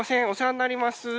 お世話になります。